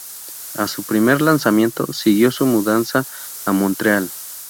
A su primer lanzamiento, siguió su mudanza a Montreal.